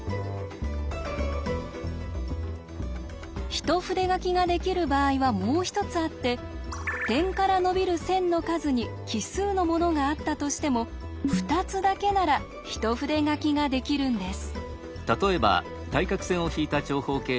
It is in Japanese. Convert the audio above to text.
一筆書きができる場合はもう一つあって点から伸びる線の数に奇数のものがあったとしても２つだけなら一筆書きができるんです。